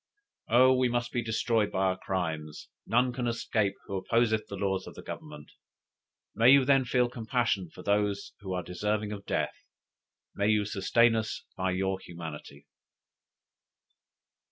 Oh we must be destroyed by our crimes, none can escape who opposeth the laws of Government. May you then feel compassion for those who are deserving of death; may you sustain us by your humanity!"